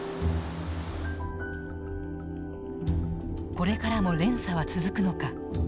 これからも連鎖は続くのか。